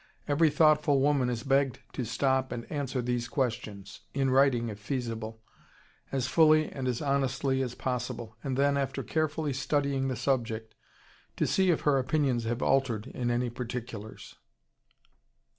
Every thoughtful woman is begged to stop and answer these questions, in writing, if feasible, as fully and as honestly as possible, and then, after carefully studying the subject, to see if her opinions have altered in any particulars.